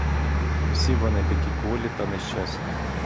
І всі вони такі кволі та нещасні!